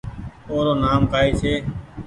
او رو نآم ڪآئي ڇي